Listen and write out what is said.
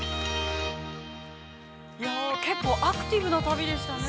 ◆結構アクティブな旅でしたね。